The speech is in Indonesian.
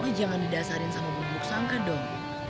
ini jangan didasarin sama bubuk sangka dong